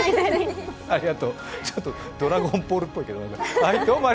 ありがとう「ドラゴンボール」っぽいけど。